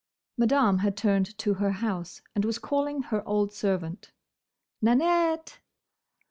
Madame had turned to her house and was calling her old servant. "Nanette!"